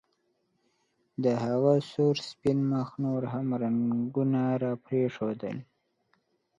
د هغه سور سپین مخ نور هم رنګونه راپرېښودل